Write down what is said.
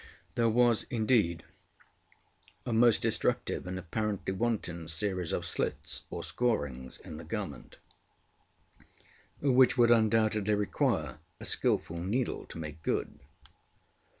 ŌĆØ There was indeed a most destructive and apparently wanton series of slits or scorings in the garment, which would undoubtedly require a skilful needle to make good.